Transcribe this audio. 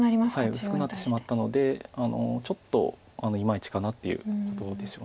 薄くなってしまったのでちょっといまいちかなということでしょう。